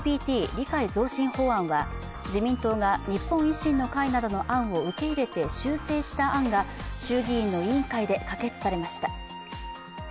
理解増進法案は自民党が日本維新の会の案などを受け入れて修正した案が衆議院の委員会で可決されました。